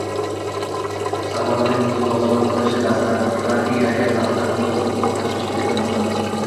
Shahzodaning unga mulozamat qilishi dastlab Raniyaga zavqdan ko‘ra ko‘proq tashvish keltira boshladi